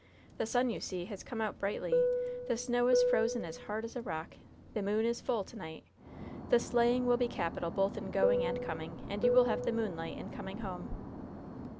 The sun, you see, has come out brightly. The snow is frozen as hard as a rock. The moon is full to night. The sleighing will be capital both in going and coming, and you will have the moonlight in coming home."